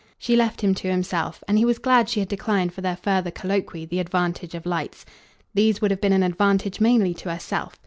She left him to himself, and he was glad she had declined, for their further colloquy, the advantage of lights. These would have been an advantage mainly to herself.